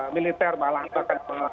militer malah bahkan